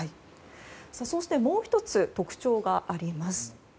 そして、もう１つ特徴があります。